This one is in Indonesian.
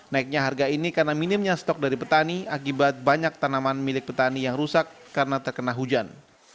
naiknya harga ini karena minimnya stok dari petani akibat banyak tanaman milik petani yang rusak karena terkena hujan